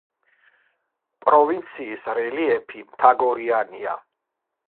პროვინციის რელიეფი მთაგორიანია.